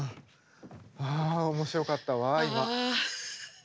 はあ面白かったわ今。